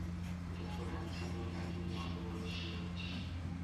দেখো, হ্যান্ডসাম, মনে হয় তুমি মাকে বলবে কি হচ্ছে।